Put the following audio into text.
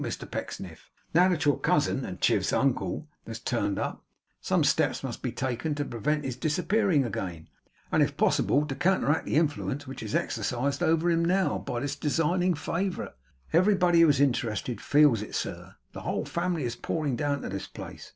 Mr Pecksniff, now that your cousin (and Chiv's uncle) has turned up, some steps must be taken to prevent his disappearing again; and, if possible, to counteract the influence which is exercised over him now, by this designing favourite. Everybody who is interested feels it, sir. The whole family is pouring down to this place.